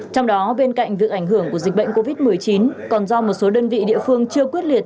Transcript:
trong đó bên cạnh việc ảnh hưởng của dịch bệnh covid một mươi chín còn do một số đơn vị địa phương chưa quyết liệt